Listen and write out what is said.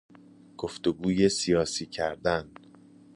گفتگوی سیاسی کردن